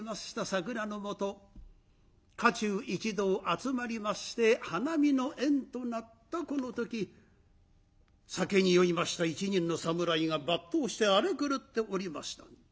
桜のもと家中一同集まりまして花見の宴となったこの時酒に酔いました一人の侍が抜刀して荒れ狂っておりました。